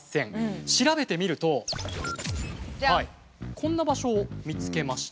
こんな場所を見つけました。